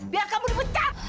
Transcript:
biar kamu dipecah